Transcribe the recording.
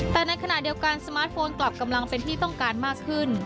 แต่ในขณะเดียวกันสมาร์ทโฟนกลับกำลังเป็นที่ต้องการมากขึ้น